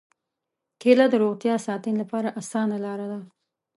کېله د روغتیا ساتنې لپاره اسانه لاره ده.